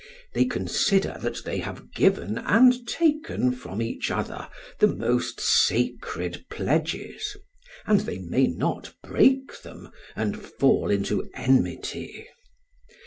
They consider that they have given and taken from each other the most sacred pledges, and they may not break them and fall into enmity.